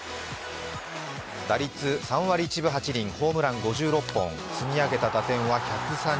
打率３割１分８厘ホームラン５６本積み上げた打点は１３４。